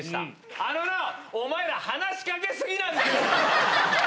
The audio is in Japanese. あのな、お前ら話しかけ過ぎなんだよ！